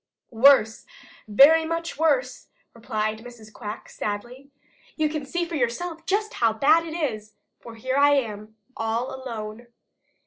"Worse, very much worse," replied Mrs. Quack sadly. "You can see for yourself just how bad it is, for here I am all alone."